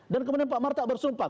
dan kemudian pak marta bersumpah